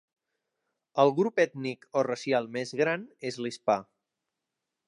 El grup ètnic o racial més gran és l'hispà.